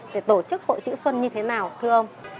để tổ chức hội chữ xuân như thế nào thưa ông